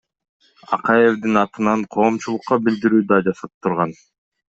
Акаевдин атынан коомчулукка билдирүү да жасап турган.